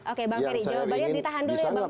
oke bang ferry jawabannya di tahan dulu ya bang ferry ya